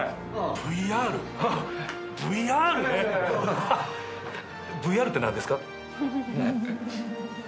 ＶＲって何ですか？